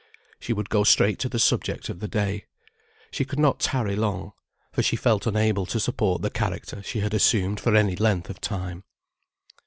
She would go straight to the subject of the day. She could not tarry long, for she felt unable to support the character she had assumed for any length of time.